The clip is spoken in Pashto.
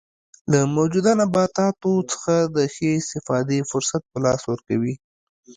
له موجوده نباتاتو څخه د ښې استفادې فرصت په لاس ورکوي.